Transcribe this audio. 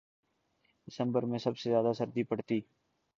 دسمبر میں سب سے زیادہ سردی پڑتی